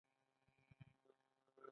ساسانیان له لویدیځ څخه